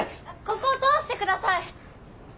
ここを通して下さい！